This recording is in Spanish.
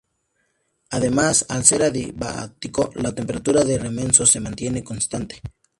Además, al ser adiabático, la temperatura de remanso se mantiene constante.